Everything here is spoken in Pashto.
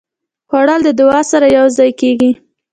خوړل د دعا سره یوځای کېږي